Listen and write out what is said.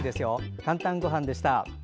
「かんたんごはん」でした。